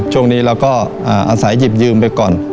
ช่วงนี้เราก็อาศัยหยิบยืมไปก่อน